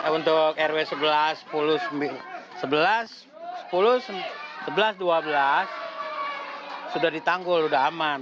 untuk rw sebelas sepuluh sebelas dua belas sudah ditanggul sudah aman